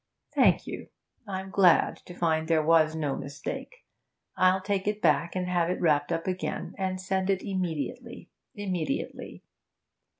'Thank you. I'm glad to find there was no mistake. I'll take it back, and have it wrapped up again, and send it immediately immediately.